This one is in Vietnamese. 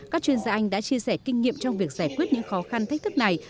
các chuyên gia anh đã chia sẻ kinh nghiệm trong việc giải quyết những khó khăn thách thức này